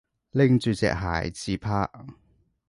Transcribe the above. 拎住隻鞋自拍